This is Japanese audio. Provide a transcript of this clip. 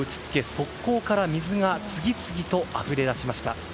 側溝から水が次々とあふれ出しました。